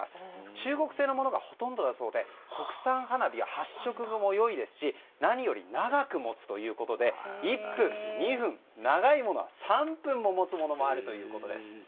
中国製のものがほとんどだそうで国産花火は発色が良く長く持つということで１分、２分、長いものは３分も持つものもあるということです。